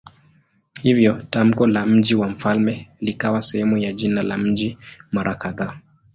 Hivyo tamko la "mji wa mfalme" likawa sehemu ya jina la mji mara kadhaa.